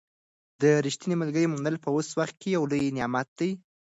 د ریښتیني ملګري موندل په اوس وخت کې یو لوی نعمت دی.